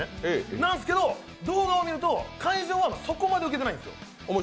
なんすけど、動画を見ると、会場はそこまでウケてないんですよ。